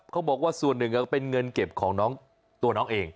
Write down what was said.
เขาบอกว่าส่วนหนึ่งก็เป็นเงินเก็บของตัวน้องเอง